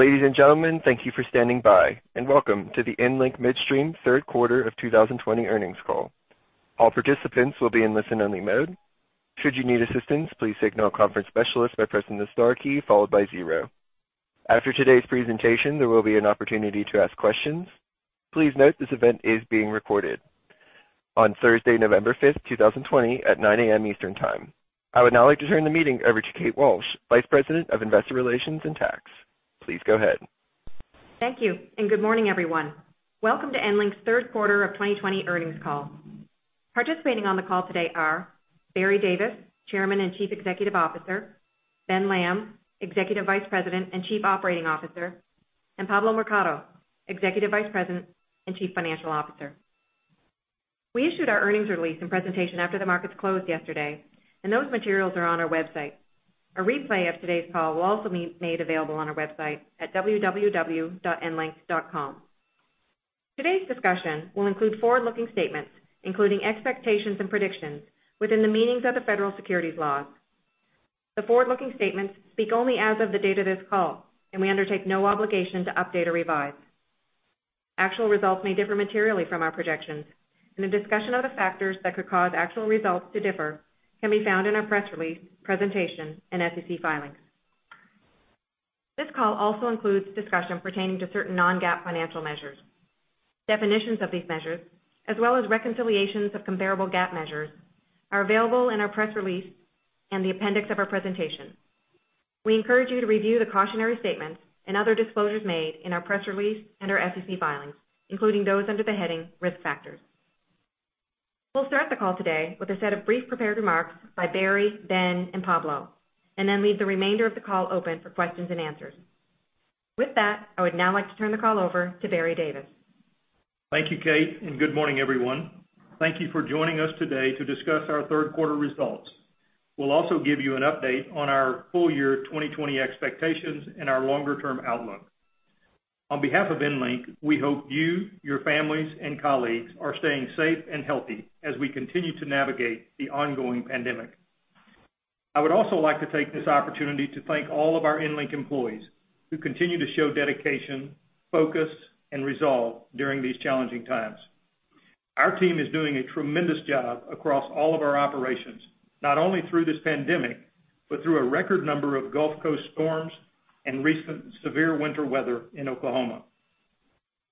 Ladies and gentlemen, thank you for standing by, and welcome to the EnLink Midstream third quarter of 2020 earnings call. All participants will be in listen only mode. Should you need assistance, please signal a conference specialist by pressing the star key followed by zero. After today's presentation, there will be an opportunity to ask questions. Please note this event is being recorded. On Thursday, November 5th, 2020, at 9:00 A.M. Eastern Time. I would now like to turn the meeting over to Kate Walsh, Vice President of Investor Relations and Tax. Please go ahead. Thank you. Good morning, everyone. Welcome to EnLink's third quarter of 2020 earnings call. Participating on the call today are Barry Davis, Chairman and Chief Executive Officer, Ben Lamb, Executive Vice President and Chief Operating Officer, and Pablo Mercado, Executive Vice President and Chief Financial Officer. We issued our earnings release and presentation after the markets closed yesterday, and those materials are on our website. A replay of today's call will also be made available on our website at www.enlink.com. Today's discussion will include forward-looking statements, including expectations and predictions within the meanings of the federal securities laws. The forward-looking statements speak only as of the date of this call, and we undertake no obligation to update or revise. Actual results may differ materially from our projections, and a discussion of the factors that could cause actual results to differ can be found in our press release, presentation, and SEC filings. This call also includes discussion pertaining to certain non-GAAP financial measures. Definitions of these measures, as well as reconciliations of comparable GAAP measures, are available in our press release and the appendix of our presentation. We encourage you to review the cautionary statements and other disclosures made in our press release and our SEC filings, including those under the heading Risk Factors. We'll start the call today with a set of brief prepared remarks by Barry, Ben, and Pablo, and then leave the remainder of the call open for questions and answers. With that, I would now like to turn the call over to Barry Davis. Thank you, Kate, and good morning, everyone. Thank you for joining us today to discuss our third quarter results. We'll also give you an update on our full-year 2020 expectations and our longer-term outlook. On behalf of EnLink, we hope you, your families, and colleagues are staying safe and healthy as we continue to navigate the ongoing pandemic. I would also like to take this opportunity to thank all of our EnLink employees who continue to show dedication, focus, and resolve during these challenging times. Our team is doing a tremendous job across all of our operations, not only through this pandemic, but through a record number of Gulf Coast storms and recent severe winter weather in Oklahoma.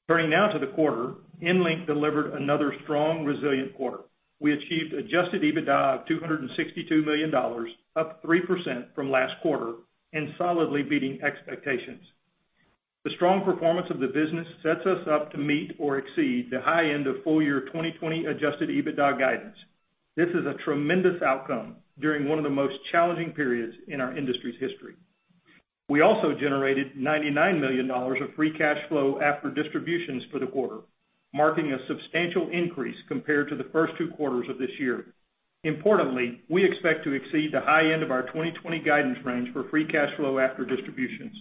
Turning now to the quarter, EnLink delivered another strong, resilient quarter. We achieved adjusted EBITDA of $262 million, up 3% from last quarter, and solidly beating expectations. The strong performance of the business sets us up to meet or exceed the high end of full-year 2020 adjusted EBITDA guidance. This is a tremendous outcome during one of the most challenging periods in our industry's history. We also generated $99 million of free cash flow after distributions for the quarter, marking a substantial increase compared to the first two quarters of this year. Importantly, we expect to exceed the high end of our 2020 guidance range for free cash flow after distributions.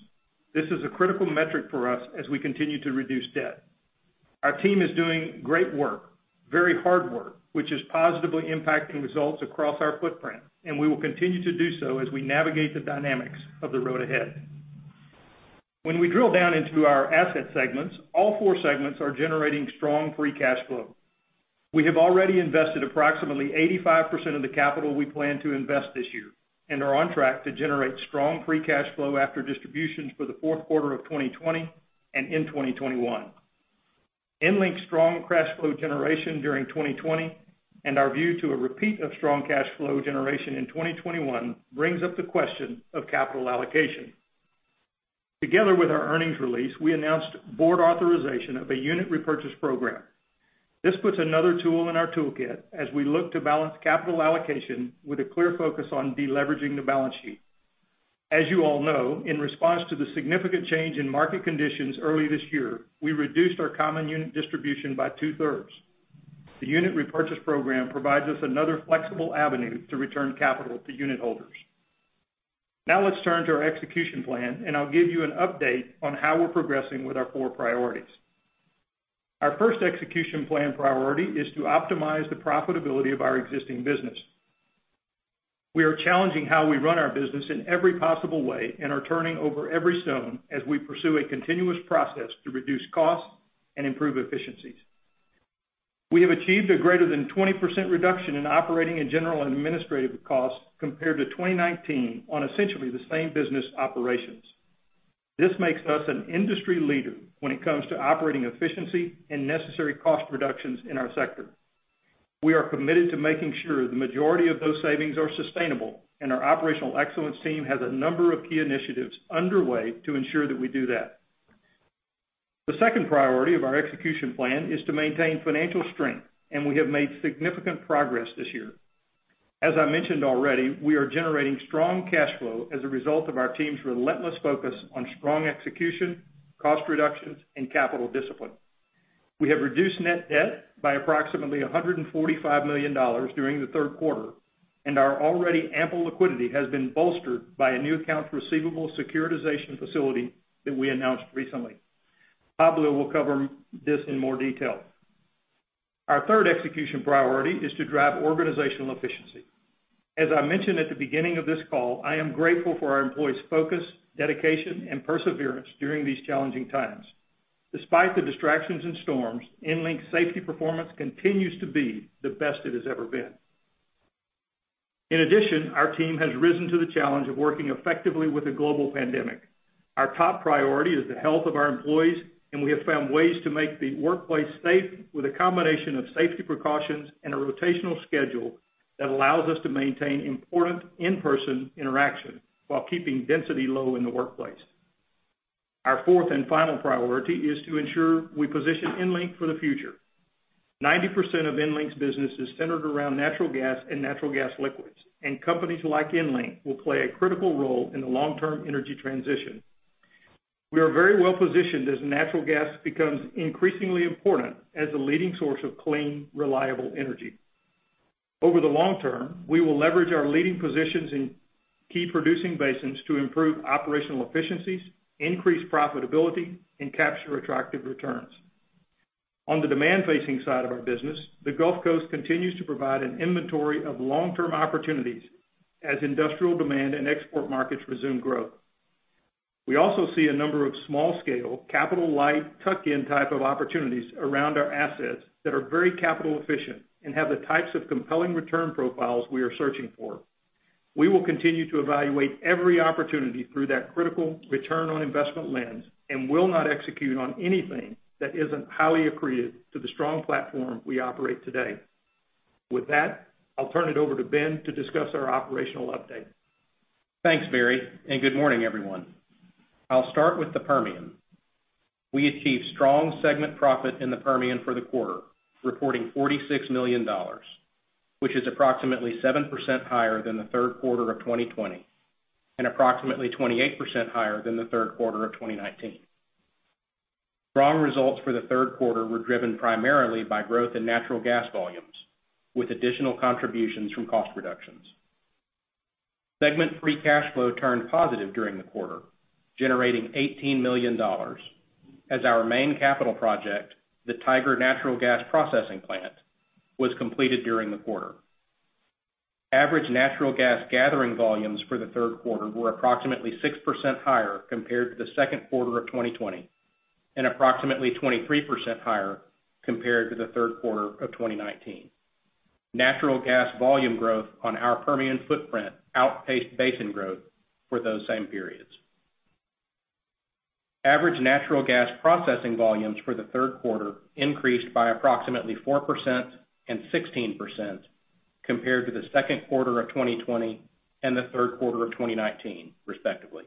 This is a critical metric for us as we continue to reduce debt. Our team is doing great work, very hard work, which is positively impacting results across our footprint, and we will continue to do so as we navigate the dynamics of the road ahead. When we drill down into our asset segments, all four segments are generating strong free cash flow. We have already invested approximately 85% of the capital we plan to invest this year and are on track to generate strong free cash flow after distributions for the fourth quarter of 2020 and in 2021. EnLink's strong cash flow generation during 2020 and our view to a repeat of strong cash flow generation in 2021 brings up the question of capital allocation. Together with our earnings release, we announced board authorization of a unit repurchase program. This puts another tool in our toolkit as we look to balance capital allocation with a clear focus on de-leveraging the balance sheet. As you all know, in response to the significant change in market conditions early this year, we reduced our common unit distribution by 2/3. The unit repurchase program provides us another flexible avenue to return capital to unitholders. Now let's turn to our execution plan, and I'll give you an update on how we're progressing with our four priorities. Our first execution plan priority is to optimize the profitability of our existing business. We are challenging how we run our business in every possible way and are turning over every stone as we pursue a continuous process to reduce costs and improve efficiencies. We have achieved a greater than 20% reduction in operating and general and administrative costs compared to 2019 on essentially the same business operations. This makes us an industry leader when it comes to operating efficiency and necessary cost reductions in our sector. We are committed to making sure the majority of those savings are sustainable, and our operational excellence team has a number of key initiatives underway to ensure that we do that. The second priority of our execution plan is to maintain financial strength, and we have made significant progress this year. As I mentioned already, we are generating strong cash flow as a result of our team's relentless focus on strong execution, cost reductions, and capital discipline. We have reduced net debt by approximately $145 million during the third quarter, and our already ample liquidity has been bolstered by a new accounts receivable securitization facility that we announced recently. Pablo will cover this in more detail. Our third execution priority is to drive organizational efficiency. As I mentioned at the beginning of this call, I am grateful for our employees' focus, dedication, and perseverance during these challenging times. Despite the distractions and storms, EnLink's safety performance continues to be the best it has ever been. In addition, our team has risen to the challenge of working effectively with a global pandemic. Our top priority is the health of our employees, and we have found ways to make the workplace safe with a combination of safety precautions and a rotational schedule that allows us to maintain important in-person interaction while keeping density low in the workplace. Our fourth and final priority is to ensure we position EnLink for the future. 90% of EnLink's business is centered around natural gas and natural gas liquids, and companies like EnLink will play a critical role in the long-term energy transition. We are very well-positioned as natural gas becomes increasingly important as the leading source of clean, reliable energy. Over the long term, we will leverage our leading positions in key producing basins to improve operational efficiencies, increase profitability, and capture attractive returns. On the demand-facing side of our business, the Gulf Coast continues to provide an inventory of long-term opportunities as industrial demand and export markets resume growth. We also see a number of small-scale, capital-light, tuck-in type of opportunities around our assets that are very capital efficient and have the types of compelling return profiles we are searching for. We will continue to evaluate every opportunity through that critical return on investment lens and will not execute on anything that isn't highly accretive to the strong platform we operate today. With that, I'll turn it over to Ben to discuss our operational update. Thanks, Barry. Good morning, everyone. I'll start with the Permian. We achieved strong segment profit in the Permian for the quarter, reporting $46 million, which is approximately 7% higher than the third quarter of 2020, and approximately 28% higher than the third quarter of 2019. Strong results for the third quarter were driven primarily by growth in natural gas volumes, with additional contributions from cost reductions. Segment free cash flow turned positive during the quarter, generating $18 million as our main capital project, the Tiger Natural Gas Processing Plant, was completed during the quarter. Average natural gas gathering volumes for the third quarter were approximately 6% higher compared to the second quarter of 2020, and approximately 23% higher compared to the third quarter of 2019. Natural gas volume growth on our Permian footprint outpaced basin growth for those same periods. Average natural gas processing volumes for the third quarter increased by approximately 4% and 16% compared to the second quarter of 2020, and the third quarter of 2019, respectively.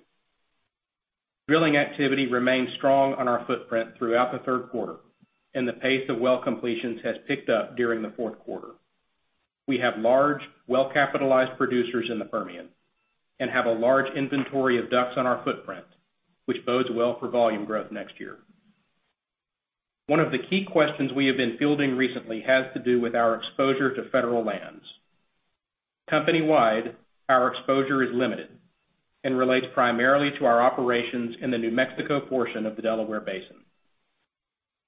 Drilling activity remained strong on our footprint throughout the third quarter, and the pace of well completions has picked up during the fourth quarter. We have large, well-capitalized producers in the Permian and have a large inventory of DUCs on our footprint, which bodes well for volume growth next year. One of the key questions we have been fielding recently has to do with our exposure to federal lands. Company-wide, our exposure is limited and relates primarily to our operations in the New Mexico portion of the Delaware Basin.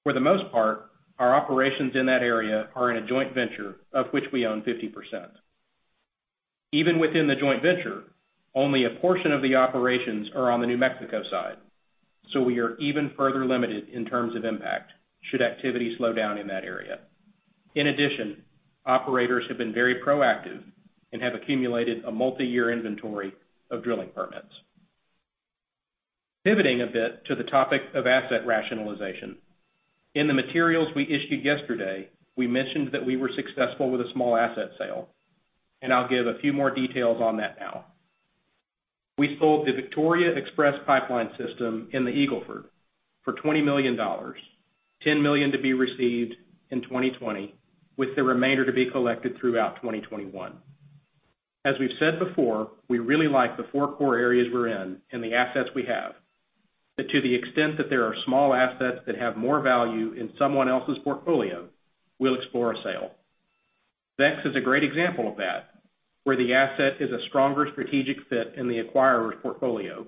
For the most part, our operations in that area are in a joint venture of which we own 50%. Even within the joint venture, only a portion of the operations are on the New Mexico side, so we are even further limited in terms of impact should activity slow down in that area. In addition, operators have been very proactive and have accumulated a multi-year inventory of drilling permits. Pivoting a bit to the topic of asset rationalization. In the materials we issued yesterday, we mentioned that we were successful with a small asset sale, and I'll give a few more details on that now. We sold the Victoria Express Pipeline system in the Eagle Ford for $20 million, $10 million to be received in 2020, with the remainder to be collected throughout 2021. As we've said before, we really like the four core areas we're in and the assets we have. To the extent that there are small assets that have more value in someone else's portfolio, we'll explore a sale. VEX is a great example of that, where the asset is a stronger strategic fit in the acquirers' portfolio,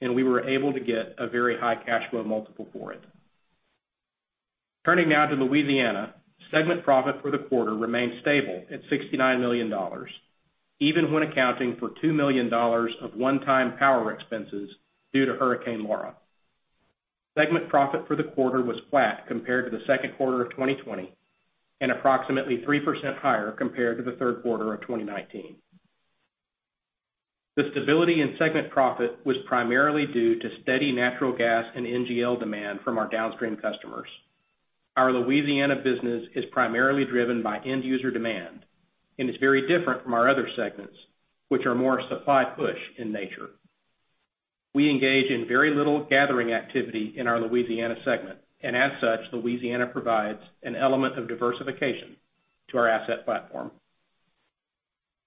and we were able to get a very high cash flow multiple for it. Turning now to Louisiana. Segment profit for the quarter remained stable at $69 million, even when accounting for $2 million of one-time power expenses due to Hurricane Laura. Segment profit for the quarter was flat compared to the second quarter of 2020, approximately 3% higher compared to the third quarter of 2019. The stability in segment profit was primarily due to steady natural gas and NGL demand from our downstream customers. Our Louisiana business is primarily driven by end-user demand, is very different from our other segments, which are more supply-push in nature. We engage in very little gathering activity in our Louisiana segment, and as such, Louisiana provides an element of diversification to our asset platform.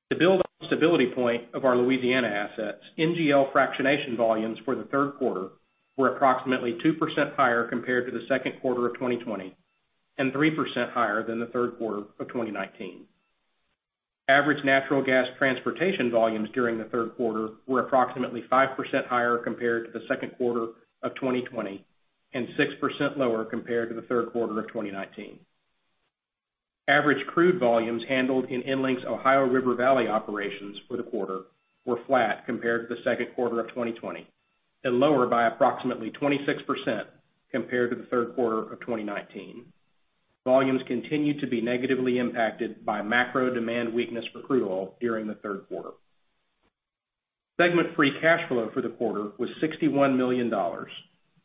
To build on the stability point of our Louisiana assets, NGL fractionation volumes for the third quarter were approximately 2% higher compared to the second quarter of 2020, and 3% higher than the third quarter of 2019. Average natural gas transportation volumes during the third quarter were approximately 5% higher compared to the second quarter of 2020, and 6% lower compared to the third quarter of 2019. Average crude volumes handled in EnLink's Ohio River Valley operations for the quarter were flat compared to the second quarter of 2020, and lower by approximately 26% compared to the third quarter of 2019. Volumes continue to be negatively impacted by macro demand weakness for crude oil during the third quarter. Segment free cash flow for the quarter was $61 million,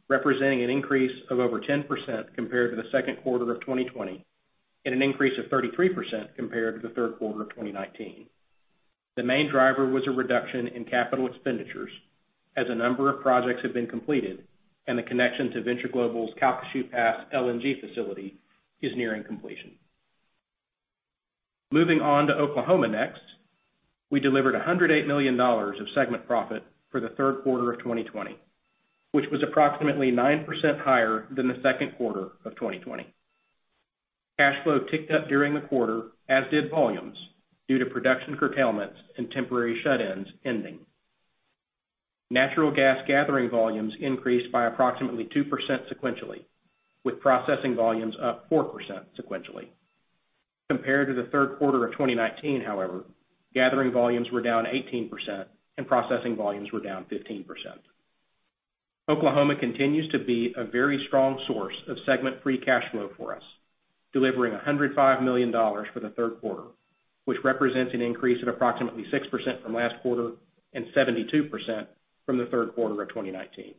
representing an increase of over 10% compared to the second quarter of 2020, and an increase of 33% compared to the third quarter of 2019. The main driver was a reduction in capital expenditures, as a number of projects have been completed, and the connection to Venture Global's Calcasieu Pass LNG facility is nearing completion. Moving on to Oklahoma next. We delivered $108 million of segment profit for the third quarter of 2020, which was approximately 9% higher than the second quarter of 2020. Cash flow ticked up during the quarter, as did volumes, due to production curtailments and temporary shut-ins ending. Natural gas gathering volumes increased by approximately 2% sequentially, with processing volumes up 4% sequentially. Compared to the third quarter of 2019, however, gathering volumes were down 18% and processing volumes were down 15%. Oklahoma continues to be a very strong source of segment free cash flow for us, delivering $105 million for the third quarter, which represents an increase of approximately 6% from last quarter and 72% from the third quarter of 2019.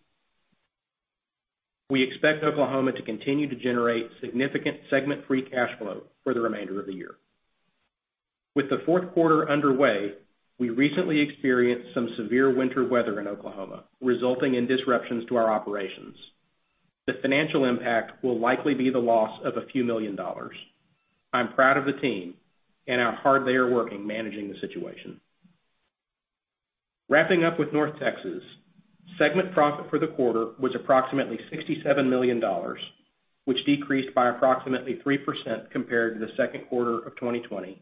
We expect Oklahoma to continue to generate significant segment free cash flow for the remainder of the year. With the fourth quarter underway, we recently experienced some severe winter weather in Oklahoma, resulting in disruptions to our operations. The financial impact will likely be the loss of a few million dollars. I'm proud of the team and how hard they are working managing the situation. Wrapping up with North Texas, segment profit for the quarter was approximately $67 million, which decreased by approximately 3% compared to the second quarter of 2020,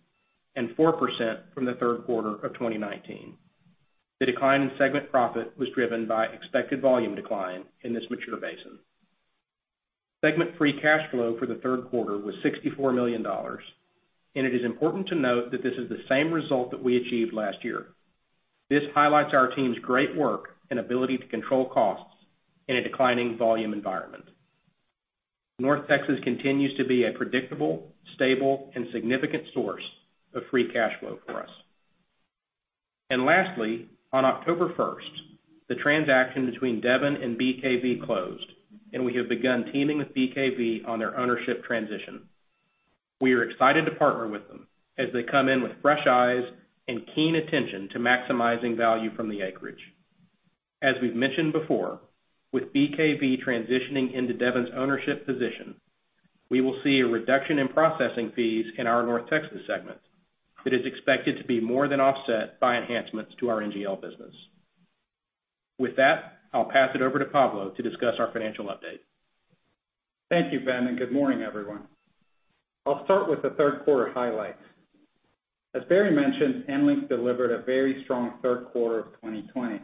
and 4% from the third quarter of 2019. The decline in segment profit was driven by expected volume decline in this mature basin. Segment free cash flow for the third quarter was $64 million, and it is important to note that this is the same result that we achieved last year. This highlights our team's great work and ability to control costs in a declining volume environment. North Texas continues to be a predictable, stable, and significant source of free cash flow for us. Lastly, on October 1st, the transaction between Devon and BKV closed, and we have begun teaming with BKV on their ownership transition. We are excited to partner with them as they come in with fresh eyes and keen attention to maximizing value from the acreage. As we've mentioned before, with BKV transitioning into Devon's ownership position, we will see a reduction in processing fees in our North Texas Segment that is expected to be more than offset by enhancements to our NGL business. With that, I'll pass it over to Pablo to discuss our financial update. Thank you, Ben, and good morning, everyone. I'll start with the third quarter highlights. As Barry mentioned, EnLink delivered a very strong third quarter of 2020,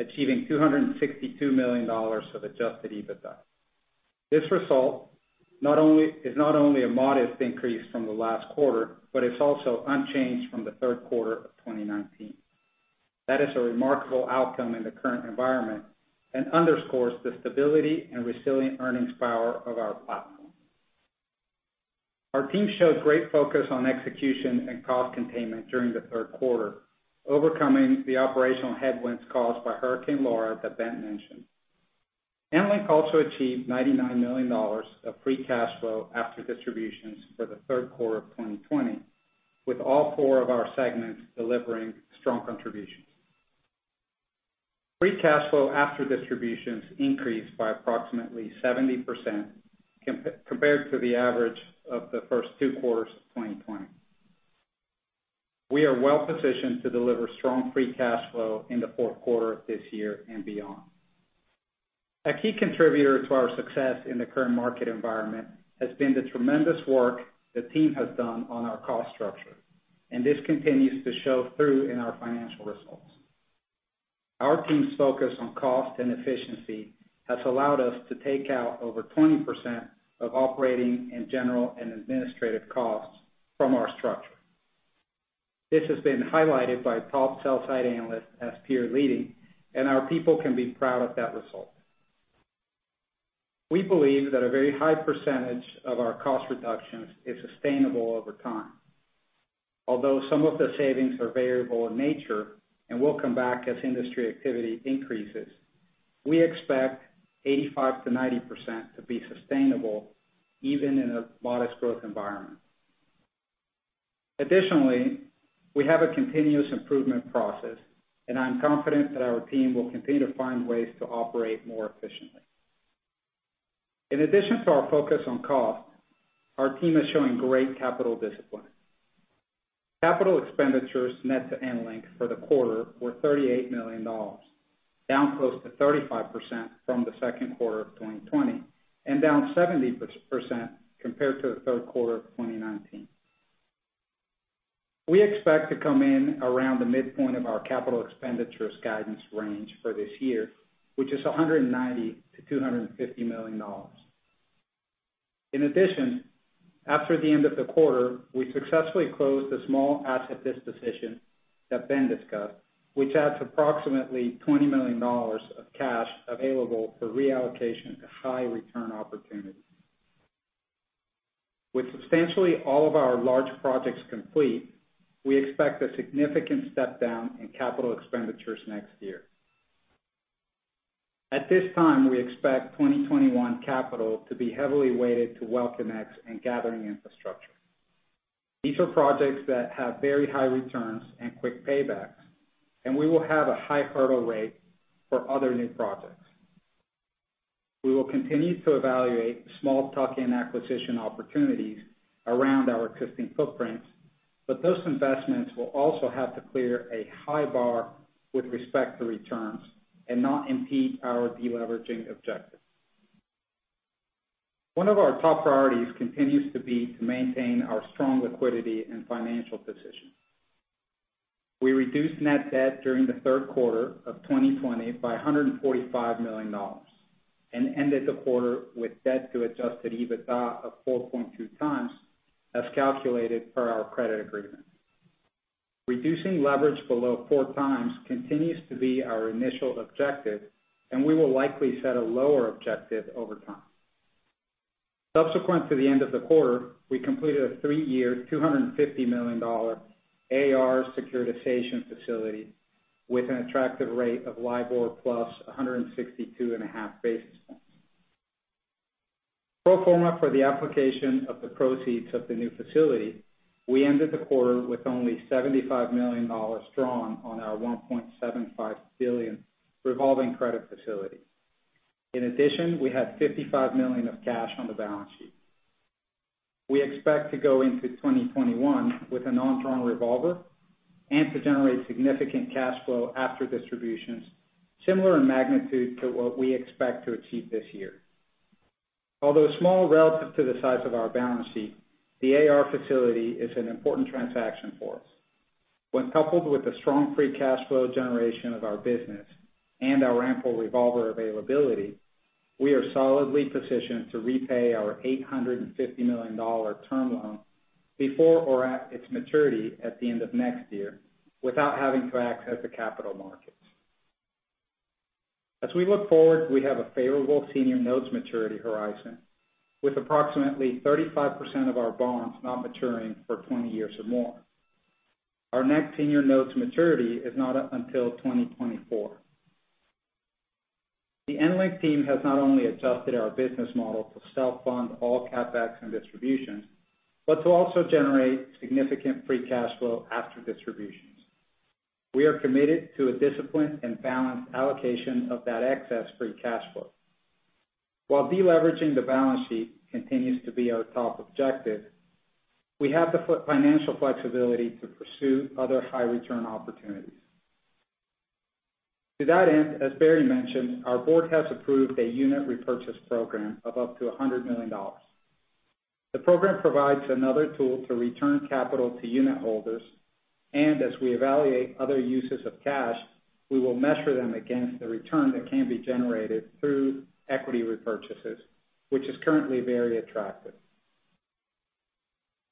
achieving $262 million of adjusted EBITDA. This result is not only a modest increase from the last quarter, but it's also unchanged from the third quarter of 2019. That is a remarkable outcome in the current environment and underscores the stability and resilient earnings power of our platform. Our team showed great focus on execution and cost containment during the third quarter, overcoming the operational headwinds caused by Hurricane Laura that Ben mentioned. EnLink also achieved $99 million of free cash flow after distributions for the third quarter of 2020, with all four of our segments delivering strong contributions. Free cash flow after distributions increased by approximately 70% compared to the average of the first two quarters of 2020. We are well positioned to deliver strong free cash flow in the fourth quarter of this year and beyond. A key contributor to our success in the current market environment has been the tremendous work the team has done on our cost structure, and this continues to show through in our financial results. Our team's focus on cost and efficiency has allowed us to take out over 20% of operating and general and administrative costs from our structure. This has been highlighted by top sell-side analysts as peer-leading, and our people can be proud of that result. We believe that a very high percentage of our cost reductions is sustainable over time. Although some of the savings are variable in nature and will come back as industry activity increases, we expect 85%-90% to be sustainable, even in a modest growth environment. Additionally, we have a continuous improvement process, and I'm confident that our team will continue to find ways to operate more efficiently. In addition to our focus on cost, our team is showing great capital discipline. Capital expenditures net to EnLink for the quarter were $38 million. Down close to 35% from the second quarter of 2020, and down 70% compared to the third quarter of 2019. We expect to come in around the midpoint of our capital expenditures guidance range for this year, which is $190 million-$250 million. In addition, after the end of the quarter, we successfully closed the small asset disposition that Ben discussed, which adds approximately $20 million of cash available for reallocation to high return opportunities. With substantially all of our large projects complete, we expect a significant step down in capital expenditures next year. At this time, we expect 2021 capital to be heavily weighted to well connects and gathering infrastructure. These are projects that have very high returns and quick paybacks, and we will have a high hurdle rate for other new projects. We will continue to evaluate small tuck-in acquisition opportunities around our existing footprints, but those investments will also have to clear a high bar with respect to returns and not impede our de-leveraging objective. One of our top priorities continues to be to maintain our strong liquidity and financial position. We reduced net debt during the third quarter of 2020 by $145 million and ended the quarter with debt to adjusted EBITDA of 4.2x, as calculated per our credit agreement. Reducing leverage below 4x continues to be our initial objective, and we will likely set a lower objective over time. Subsequent to the end of the quarter, we completed a three-year, $250 million AR securitization facility with an attractive rate of LIBOR plus 162.5 basis points. Pro forma for the application of the proceeds of the new facility, we ended the quarter with only $75 million drawn on our $1.75 billion revolving credit facility. In addition, we had $55 million of cash on the balance sheet. We expect to go into 2021 with a non-drawn revolver and to generate significant cash flow after distributions similar in magnitude to what we expect to achieve this year. Although small relative to the size of our balance sheet, the AR facility is an important transaction for us. When coupled with the strong free cash flow generation of our business and our ample revolver availability, we are solidly positioned to repay our $850 million term loan before or at its maturity at the end of next year without having to access the capital markets. As we look forward, we have a favorable senior notes maturity horizon with approximately 35% of our bonds not maturing for 20 years or more. Our next senior notes maturity is not up until 2024. The EnLink team has not only adjusted our business model to self-fund all CapEx and distributions, but to also generate significant free cash flow after distributions. We are committed to a disciplined and balanced allocation of that excess free cash flow. While de-leveraging the balance sheet continues to be our top objective, we have the financial flexibility to pursue other high return opportunities. To that end, as Barry mentioned, our board has approved a unit repurchase program of up to $100 million. The program provides another tool to return capital to unitholders. As we evaluate other uses of cash, we will measure them against the return that can be generated through equity repurchases, which is currently very attractive.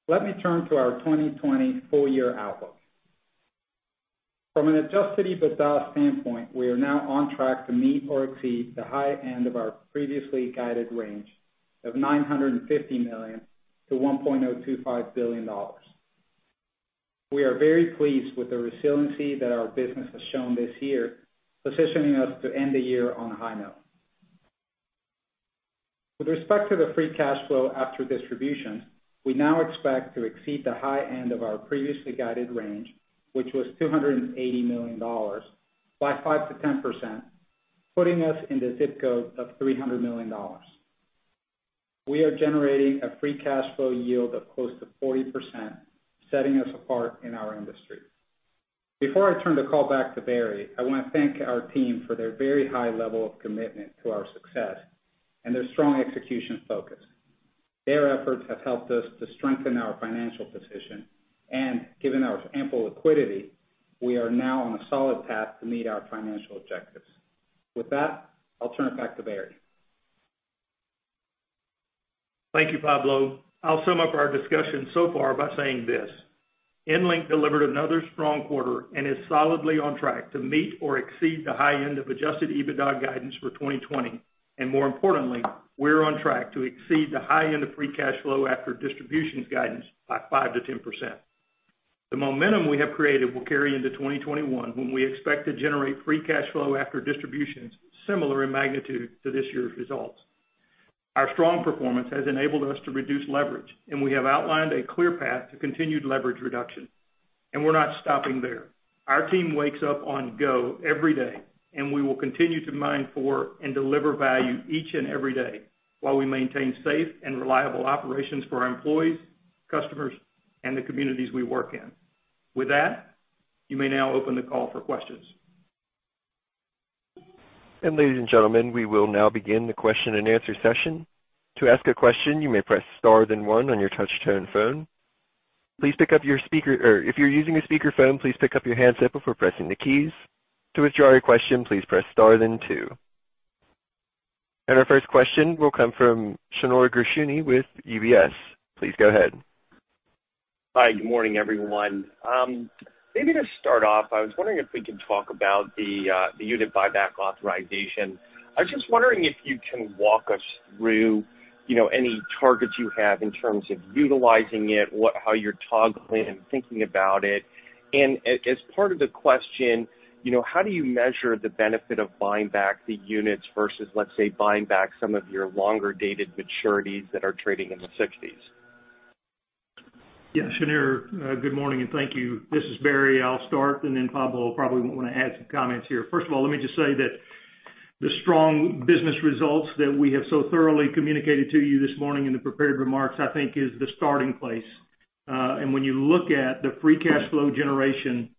Let me turn to our 2020 full-year outlook. From an adjusted EBITDA standpoint, we are now on track to meet or exceed the high end of our previously guided range of $950 million to $1.025 billion. We are very pleased with the resiliency that our business has shown this year, positioning us to end the year on a high note. With respect to the free cash flow after distributions, we now expect to exceed the high end of our previously guided range, which was $280 million, by 5%-10%, putting us in the zip code of $300 million. We are generating a free cash flow yield of close to 40%, setting us apart in our industry. Before I turn the call back to Barry, I want to thank our team for their very high level of commitment to our success and their strong execution focus. Their efforts have helped us to strengthen our financial position, and given our ample liquidity, we are now on a solid path to meet our financial objectives. With that, I'll turn it back to Barry. Thank you, Pablo. I'll sum up our discussion so far by saying this: EnLink delivered another strong quarter and is solidly on track to meet or exceed the high end of adjusted EBITDA guidance for 2020. More importantly, we're on track to exceed the high end of free cash flow after distributions guidance by 5%-10%. The momentum we have created will carry into 2021, when we expect to generate free cash flow after distributions similar in magnitude to this year's results. Our strong performance has enabled us to reduce leverage, and we have outlined a clear path to continued leverage reduction. We're not stopping there. Our team wakes up on go every day, and we will continue to mine for and deliver value each and every day while we maintain safe and reliable operations for our employees, customers, and the communities we work in. With that, you may now open the call for questions. Ladies and gentlemen, we will now begin the question-and-answer session. To ask a question, you may press star then one on your touch-tone phone. If you're using a speakerphone, please pick up your handset before pressing the keys. To withdraw your question, please press star then two. Our first question will come from Shneur Gershuni with UBS. Please go ahead. Hi. Good morning, everyone. Maybe to start off, I was wondering if we could talk about the unit buyback authorization. I was just wondering if you can walk us through any targets you have in terms of utilizing it, how you're toggling and thinking about it. As part of the question, how do you measure the benefit of buying back the units versus, let's say, buying back some of your longer-dated maturities that are trading in the 60s? Yeah, Shneur, good morning and thank you. This is Barry. I'll start, and then Pablo probably would want to add some comments here. First of all, let me just say that the strong business results that we have so thoroughly communicated to you this morning in the prepared remarks, I think is the starting place. When you look at the free cash flow generation,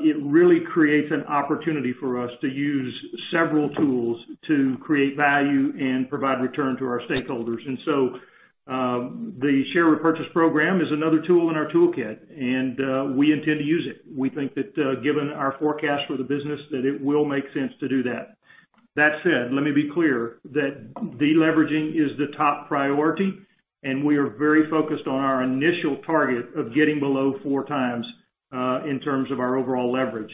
it really creates an opportunity for us to use several tools to create value and provide return to our stakeholders. The share repurchase program is another tool in our toolkit, and we intend to use it. We think that given our forecast for the business, that it will make sense to do that. That said, let me be clear that de-leveraging is the top priority, and we are very focused on our initial target of getting below 4x in terms of our overall leverage.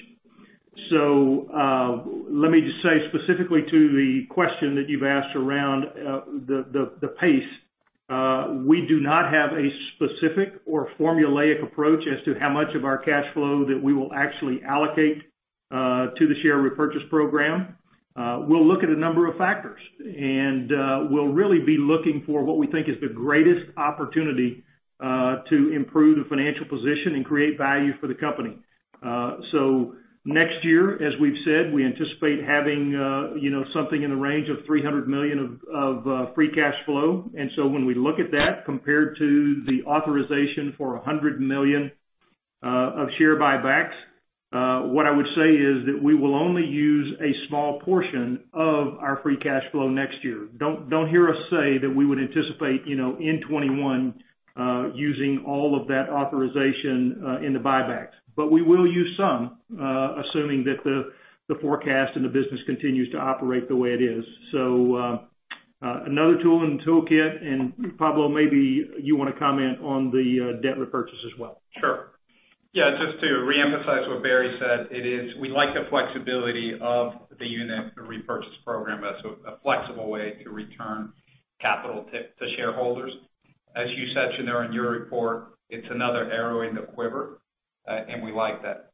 Let me just say specifically to the question that you've asked around the pace. We do not have a specific or formulaic approach as to how much of our cash flow that we will actually allocate to the share repurchase program. We'll look at a number of factors, and we'll really be looking for what we think is the greatest opportunity to improve the financial position and create value for the company. Next year, as we've said, we anticipate having something in the range of $300 million of free cash flow. When we look at that compared to the authorization for $100 million of share buybacks, what I would say is that we will only use a small portion of our free cash flow next year. Don't hear us say that we would anticipate, in 2021, using all of that authorization in the buybacks. We will use some, assuming that the forecast and the business continues to operate the way it is. Another tool in the toolkit, and Pablo, maybe you want to comment on the debt repurchase as well. Sure. Yeah, just to reemphasize what Barry said, we like the flexibility of the unit, the repurchase program as a flexible way to return capital to shareholders. As you said, Shneur, in your report, it's another arrow in the quiver. We like that.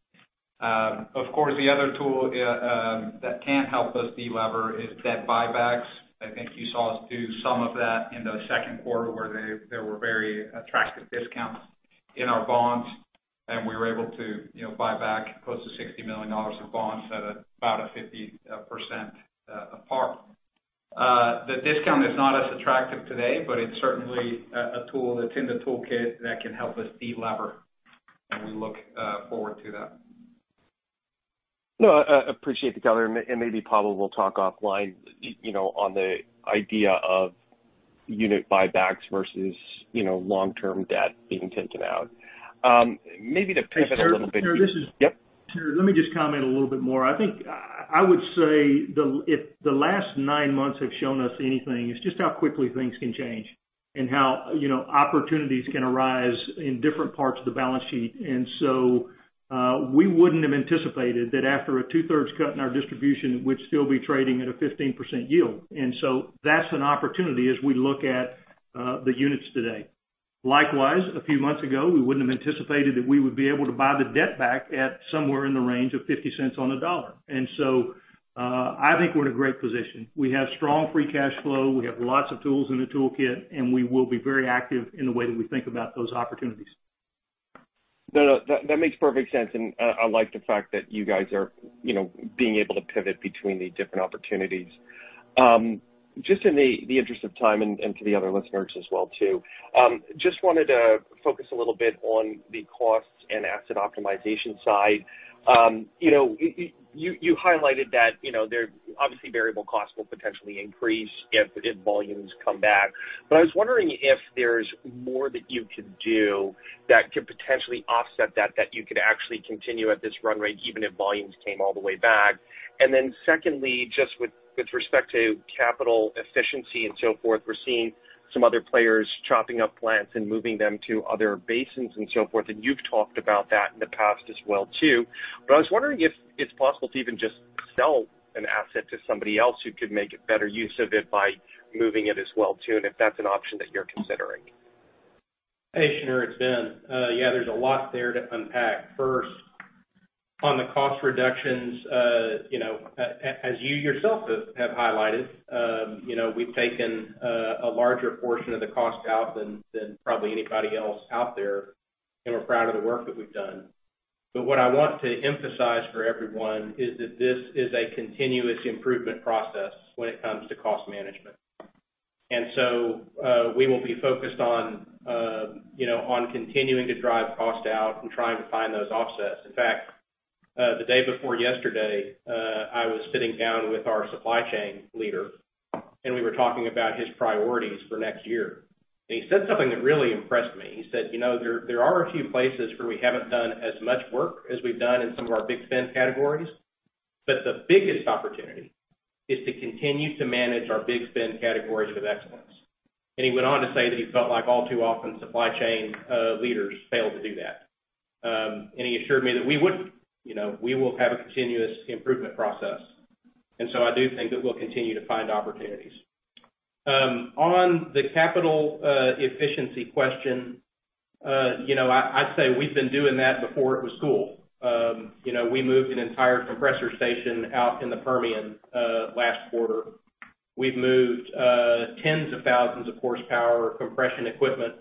Of course, the other tool that can help us de-lever is debt buybacks. I think you saw us do some of that in the second quarter, where there were very attractive discounts in our bonds. We were able to buy back close to $60 million of bonds at about 50% of par. The discount is not as attractive today. It's certainly a tool that's in the toolkit that can help us de-lever. We look forward to that. No, I appreciate the color, and maybe Pablo will talk offline on the idea of unit buybacks versus long-term debt being taken out. Hey, Shneur. Yep? Shneur, let me just comment a little bit more. I think I would say if the last nine months have shown us anything, it's just how quickly things can change and how opportunities can arise in different parts of the balance sheet. We wouldn't have anticipated that after a 2/3 cut in our distribution, we'd still be trading at a 15% yield. That's an opportunity as we look at the units today. Likewise, a few months ago, we wouldn't have anticipated that we would be able to buy the debt back at somewhere in the range of $0.50 on a dollar. I think we're in a great position. We have strong free cash flow. We have lots of tools in the toolkit, and we will be very active in the way that we think about those opportunities. No, that makes perfect sense, and I like the fact that you guys are being able to pivot between the different opportunities. Just in the interest of time, and to the other listeners as well too, just wanted to focus a little bit on the costs and asset optimization side. You highlighted that obviously variable costs will potentially increase if volumes come back. I was wondering if there's more that you could do that could potentially offset that you could actually continue at this run rate even if volumes came all the way back. Secondly, just with respect to capital efficiency and so forth, we're seeing some other players chopping up plants and moving them to other basins and so forth, and you've talked about that in the past as well too. I was wondering if it's possible to even just sell an asset to somebody else who could make better use of it by moving it as well too, and if that's an option that you're considering. Hey, Shneur, it's Ben. Yeah, there's a lot there to unpack. First, on the cost reductions, as you yourself have highlighted, we've taken a larger portion of the cost out than probably anybody else out there, and we're proud of the work that we've done. What I want to emphasize for everyone is that this is a continuous improvement process when it comes to cost management. We will be focused on continuing to drive cost out and trying to find those offsets. In fact, the day before yesterday, I was sitting down with our supply chain leader, and we were talking about his priorities for next year. He said something that really impressed me. He said, "There are a few places where we haven't done as much work as we've done in some of our big spend categories. But the biggest opportunity is to continue to manage our big spend categories with excellence." He went on to say that he felt like all too often, supply chain leaders fail to do that. He assured me that we wouldn't. We will have a continuous improvement process. I do think that we'll continue to find opportunities. On the capital efficiency question, I'd say we've been doing that before it was cool. We moved an entire compressor station out in the Permian last quarter. We've moved tens of thousands of horsepower compression equipment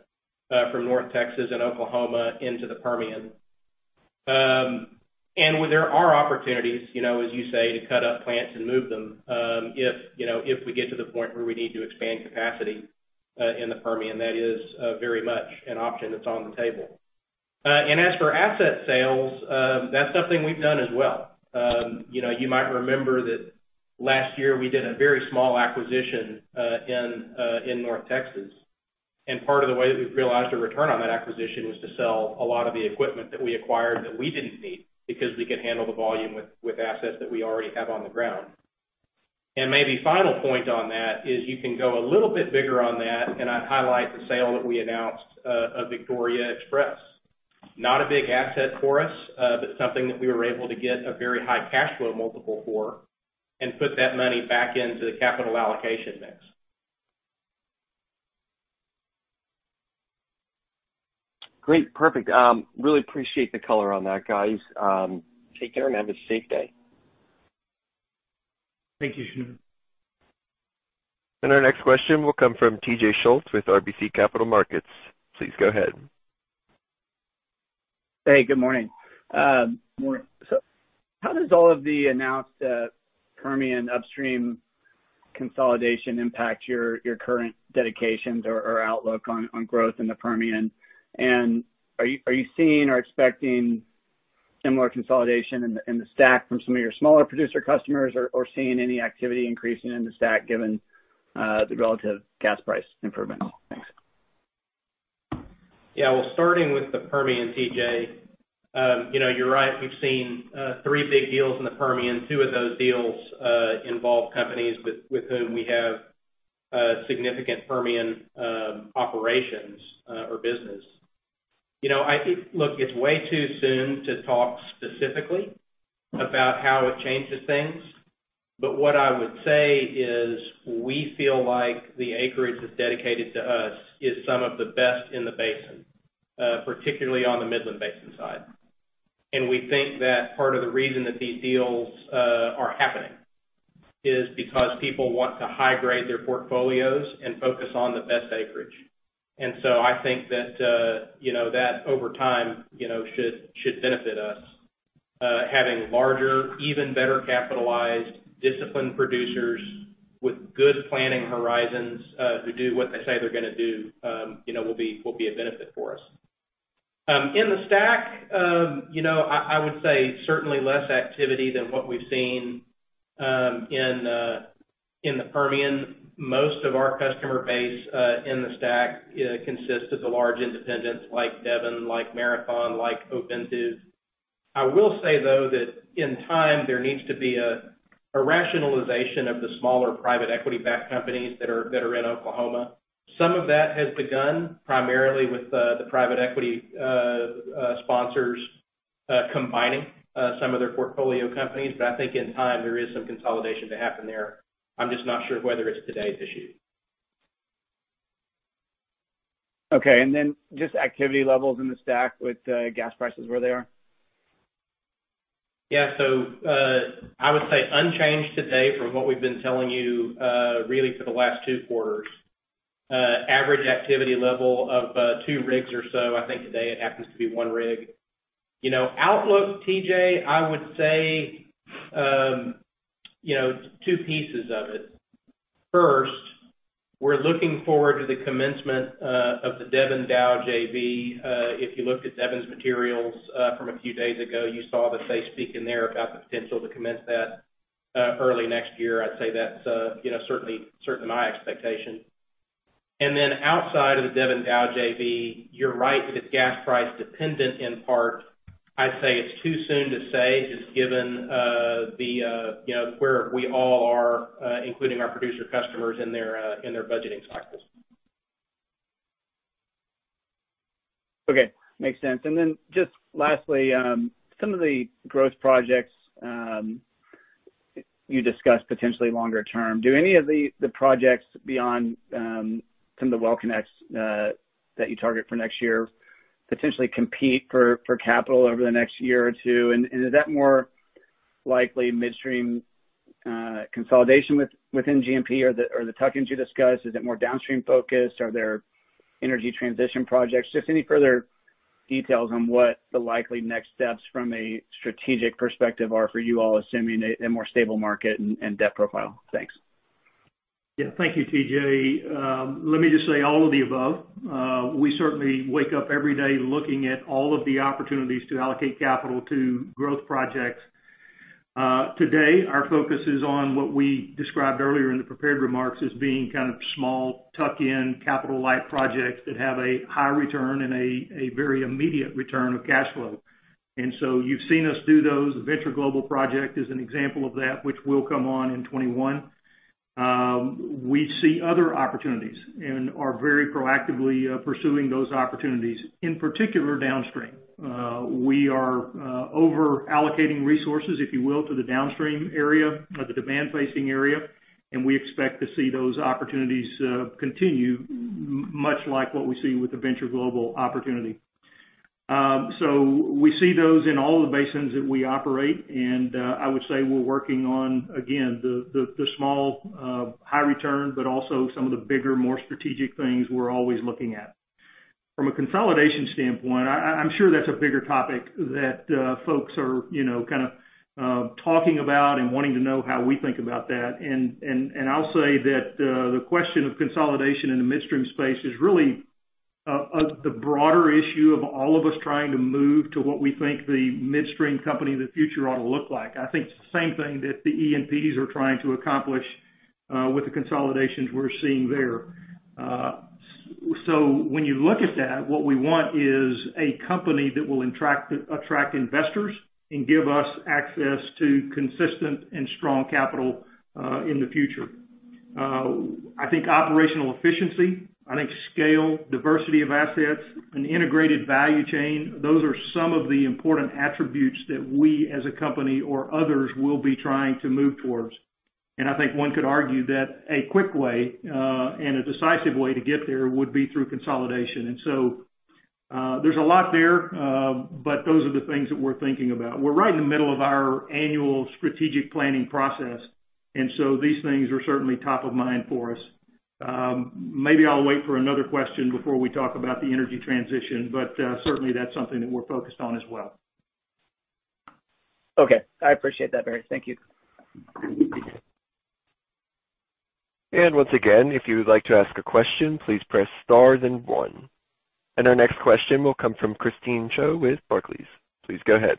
from North Texas and Oklahoma into the Permian. Where there are opportunities, as you say, to cut up plants and move them, if we get to the point where we need to expand capacity in the Permian, that is very much an option that's on the table. As for asset sales, that's something we've done as well. You might remember that last year we did a very small acquisition in North Texas. Part of the way that we've realized a return on that acquisition was to sell a lot of the equipment that we acquired that we didn't need, because we could handle the volume with assets that we already have on the ground. Maybe final point on that is you can go a little bit bigger on that, I'd highlight the sale that we announced of Victoria Express. Not a big asset for us, but something that we were able to get a very high cash flow multiple for and put that money back into the capital allocation mix. Great. Perfect. Really appreciate the color on that, guys. Take care and have a safe day. Thank you. Our next question will come from T.J. Schultz with RBC Capital Markets. Please go ahead. Hey, good morning. Morning. How does all of the announced Permian upstream consolidation impact your current dedications or outlook on growth in the Permian? Are you seeing or expecting similar consolidation in the STACK from some of your smaller producer customers, or seeing any activity increasing in the STACK given the relative gas price improvement? Thanks. Yeah. Well, starting with the Permian, T.J., you're right. We've seen three big deals in the Permian. Two of those deals involve companies with whom we have significant Permian operations or business. Look, it's way too soon to talk specifically about how it changes things. What I would say is we feel like the acreage that's dedicated to us is some of the best in the basin, particularly on the Midland Basin side. We think that part of the reason that these deals are happening is because people want to high-grade their portfolios and focus on the best acreage. I think that over time, should benefit us. Having larger, even better-capitalized, disciplined producers with good planning horizons who do what they say they're going to do will be a benefit for us. In the STACK, I would say certainly less activity than what we've seen in the Permian. Most of our customer base in the STACK consists of the large independents like Devon, like Marathon, like Ovintiv. I will say, though, that in time, there needs to be a rationalization of the smaller private equity-backed companies that are in Oklahoma. Some of that has begun primarily with the private equity sponsors combining some of their portfolio companies. I think in time, there is some consolidation to happen there. I'm just not sure whether it's today's issue. Okay. Just activity levels in the STACK with gas prices where they are? I would say unchanged today from what we've been telling you really for the last two quarters. Average activity level of two rigs or so. I think today it happens to be one rig. Outlook, T.J., I would say two pieces of it. First, we're looking forward to the commencement of the Devon-Dow JV. If you looked at Devon's materials from a few days ago, you saw that they speak in there about the potential to commence that early next year. I'd say that's certainly my expectation. Outside of the Devon-Dow JV, you're right that it's gas price dependent in part. I'd say it's too soon to say just given where we all are, including our producer customers in their budgeting cycles. Okay, makes sense. Then just lastly, some of the growth projects you discussed potentially longer term. Do any of the projects beyond some of the well connects that you target for next year potentially compete for capital over the next year or two? Is that more likely midstream consolidation within G&P or the tuck-ins you discussed? Is it more downstream focused? Are there energy transition projects? Just any further details on what the likely next steps from a strategic perspective are for you all assuming a more stable market and debt profile. Thanks. Yeah. Thank you, T.J. Let me just say all of the above. We certainly wake up every day looking at all of the opportunities to allocate capital to growth projects. Today, our focus is on what we described earlier in the prepared remarks as being kind of small tuck-in capital-light projects that have a high return and a very immediate return of cash flow. You've seen us do those. The Venture Global project is an example of that, which will come on in 2021. We see other opportunities and are very proactively pursuing those opportunities, in particular downstream. We are over-allocating resources, if you will, to the downstream area or the demand-facing area, and we expect to see those opportunities continue, much like what we see with the Venture Global opportunity. We see those in all of the basins that we operate, and I would say we're working on, again, the small, high return, but also some of the bigger, more strategic things we're always looking at. From a consolidation standpoint, I'm sure that's a bigger topic that folks are talking about and wanting to know how we think about that. I'll say that the question of consolidation in the midstream space is really the broader issue of all of us trying to move to what we think the midstream company of the future ought to look like. I think it's the same thing that the E&Ps are trying to accomplish with the consolidations we're seeing there. When you look at that, what we want is a company that will attract investors and give us access to consistent and strong capital in the future. I think operational efficiency, I think scale, diversity of assets, and integrated value chain, those are some of the important attributes that we, as a company or others, will be trying to move towards. I think one could argue that a quick way and a decisive way to get there would be through consolidation. There's a lot there, but those are the things that we're thinking about. We're right in the middle of our annual strategic planning process, and so these things are certainly top of mind for us. Maybe I'll wait for another question before we talk about the energy transition, but certainly that's something that we're focused on as well. Okay. I appreciate that, Barry. Thank you. Once again, if you would like to ask a question, please press star then one. Our next question will come from Christine Cho with Barclays. Please go ahead.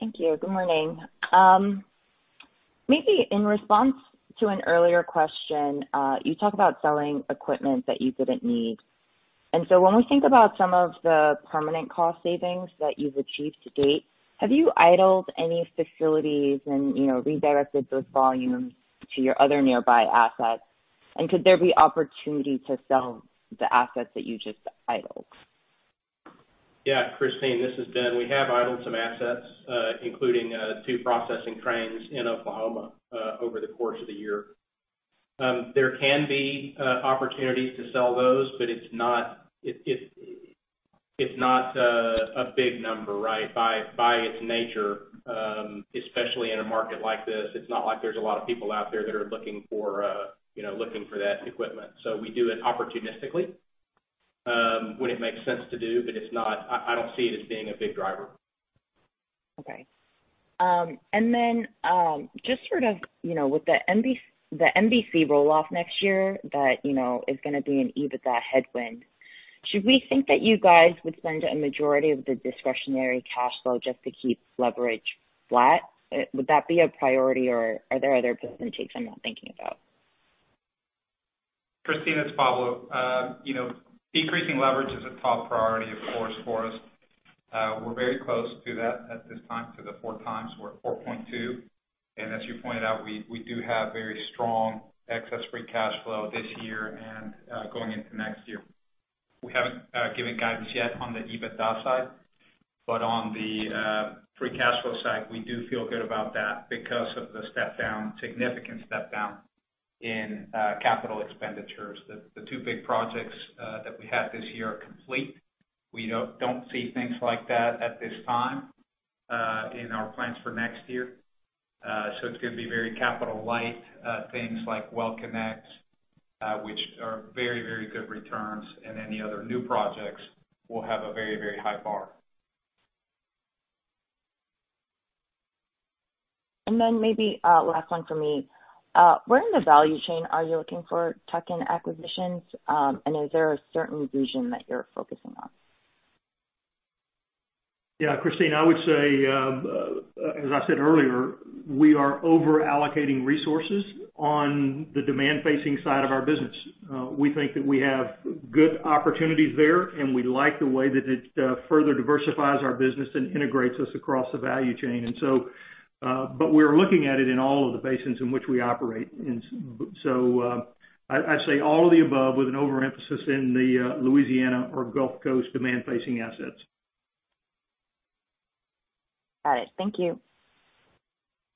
Thank you, good morning. Maybe in response to an earlier question, you talked about selling equipment that you didn't need. When we think about some of the permanent cost savings that you've achieved to date, have you idled any facilities and redirected those volumes to your other nearby assets? Could there be opportunity to sell the assets that you just idled? Yeah, Christine, this is Ben. We have idled some assets, including two processing trains in Oklahoma, over the course of the year. There can be opportunities to sell those, but it's not a big number, right? By its nature, especially in a market like this, it's not like there's a lot of people out there that are looking for that equipment. We do it opportunistically, when it makes sense to do, but I don't see it as being a big driver. Okay. Then, just sort of with the MVC roll-off next year, that is going to be an EBITDA headwind. Should we think that you guys would spend a majority of the discretionary cash flow just to keep leverage flat? Would that be a priority, or are there other possibilities I'm not thinking about? Christine, it's Pablo. Decreasing leverage is a top priority, of course, for us. We're very close to that at this time, to the 4x. We're at 4.2x. As you pointed out, we do have very strong excess free cash flow this year and going into next year. We haven't given guidance yet on the EBITDA side, on the free cash flow side, we do feel good about that because of the significant step down in capital expenditures. The two big projects that we had this year are complete. We don't see things like that at this time in our plans for next year. It's going to be very capital light. Things like well connects, which are very good returns, and any other new projects will have a very high bar. Maybe a last one from me. Where in the value chain are you looking for tuck-in acquisitions? Is there a certain region that you're focusing on? Yeah, Christine, I would say, as I said earlier, we are over-allocating resources on the demand-facing side of our business. We think that we have good opportunities there, and we like the way that it further diversifies our business and integrates us across the value chain. We're looking at it in all of the basins in which we operate. I'd say all of the above with an overemphasis in the Louisiana or Gulf Coast demand-facing assets. Got it, thank you.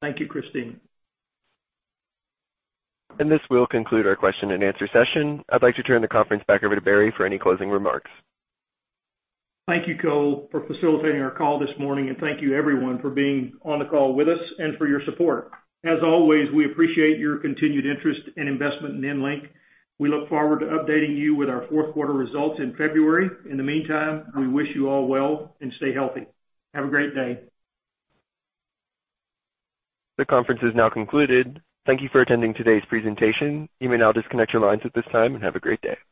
Thank you, Christine. This will conclude our question-and-answer session. I'd like to turn the conference back over to Barry for any closing remarks. Thank you, Cole, for facilitating our call this morning. Thank you everyone for being on the call with us and for your support. As always, we appreciate your continued interest and investment in EnLink. We look forward to updating you with our fourth quarter results in February. In the meantime, we wish you all well. Stay healthy. Have a great day. The conference is now concluded. Thank you for attending today's presentation. You may now disconnect your lines at this time, and have a great day.